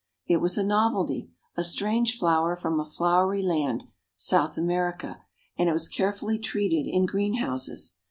It was a novelty a strange flower from a flowery land, South America, and it was carefully treated in green houses.